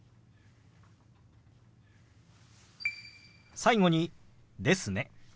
最後に「ですね」。